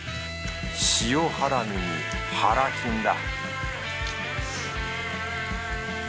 塩ハラミに腹キュンだ